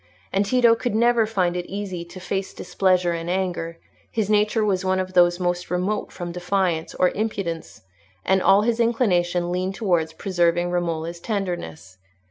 And Tito could never find it easy to face displeasure and anger; his nature was one of those most remote from defiance or impudence, and all his inclinations leaned towards preserving Romola's tenderness.